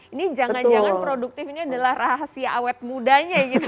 ini jangan jangan produktif ini adalah rahasia awet mudanya gitu